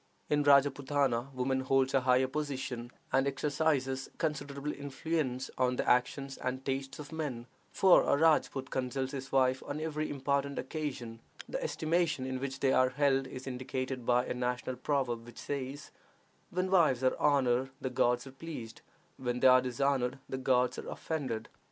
In Rajpootana woman holds a higher position, and exercises considerable influence on the actions and tastes of men, for a Rajpoot consults his wife on every important occasion. The estimation in which they are held is indicated by a national proverb, which says, "When wives are honored the gods are pleased; when they are dishonored the gods are offended."